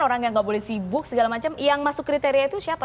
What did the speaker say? orang yang nggak boleh sibuk segala macam yang masuk kriteria itu siapa